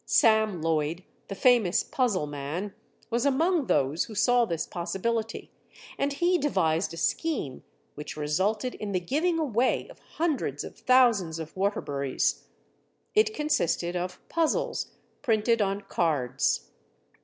Sam Lloyd, the famous puzzle man, was among those who saw this possibility and he devised a scheme which resulted in the giving away of hundreds of thousands of Waterburys; it consisted of puzzles printed on cards.